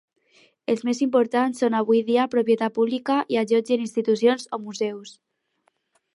Els més importants són avui dia propietat pública i allotgen institucions o museus.